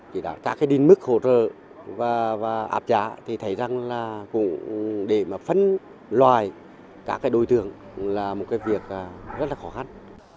các cái điên mức khổ trợ và áp giá thì thấy rằng là cũng để mà phân loài các cái đối tượng là một cái việc rất là khó khăn